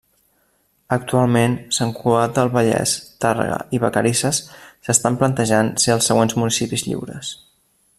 Actualment, Sant Cugat del Vallès, Tàrrega i Vacarisses s'estan plantejant ser els següents municipis lliures.